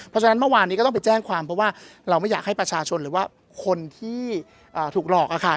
เพราะฉะนั้นเมื่อวานนี้ก็ต้องไปแจ้งความเพราะว่าเราไม่อยากให้ประชาชนหรือว่าคนที่ถูกหลอกอะค่ะ